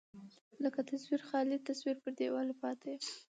لکه تصوير، خالي تصوير په دېواله پاتې يم